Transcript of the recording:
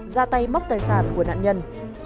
ra tay móc tài sản của nạn nhân